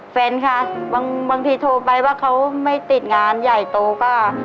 แฟนค่ะบางทีโทรไปว่าเขาไม่ติดงานใหญ่โตก็